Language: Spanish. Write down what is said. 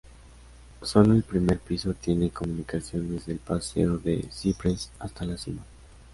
Solo el primer piso tiene comunicación desde el paseo de cipreses hasta la cima.